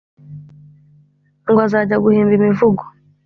Ngo azajya aguhimba imivugo